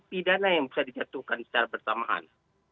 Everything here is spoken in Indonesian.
pidana yang bisa dijatuhkan secara bersamaan